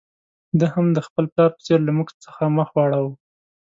ده هم د خپل پلار په څېر له موږ څخه مخ واړاوه.